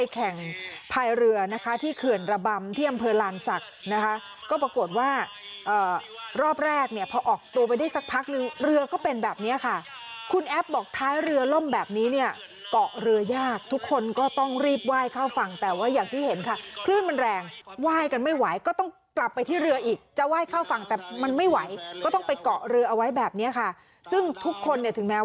แข่งพายเรือนะคะที่เขื่อนระบำที่อำเภอลานศักดิ์นะคะก็ปรากฏว่ารอบแรกเนี่ยพอออกตัวไปได้สักพักนึงเรือก็เป็นแบบนี้ค่ะคุณแอฟบอกท้ายเรือล่มแบบนี้เนี่ยเกาะเรือยากทุกคนก็ต้องรีบไหว้เข้าฝั่งแต่ว่าอย่างที่เห็นค่ะคลื่นมันแรงไหว้กันไม่ไหวก็ต้องกลับไปที่เรืออีกจะไหว้เข้าฝั่งแต่มันไม่ไหวก็ต้องไปเกาะเรือเอาไว้แบบนี้ค่ะซึ่งทุกคนเนี่ยถึงแม้